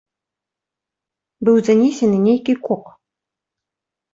Быў занесены нейкі кок.